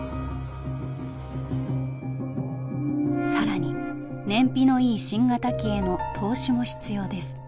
更に燃費のいい新型機への投資も必要です。